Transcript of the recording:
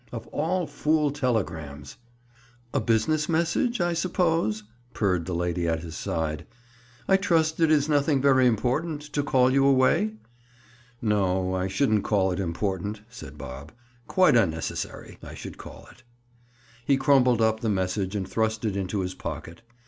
Of all fool telegrams!— "A business message, I suppose?" purred the lady at his side. "I trust it is nothing very important, to call you away?" "No, I shouldn't call it important," said Bob. "Quite unnecessary, I should call it." He crumpled up the message and thrust it into his pocket.